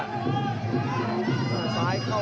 ขวาง่าย่าว